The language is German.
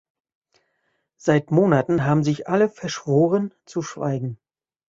Seit Monaten haben sich alle verschworen zu schweigen.